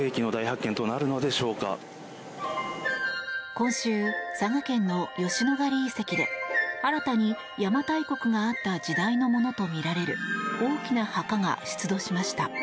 今週、佐賀県の吉野ヶ里遺跡で新たに邪馬台国があった時代のものとみられる大きな墓が出土しました。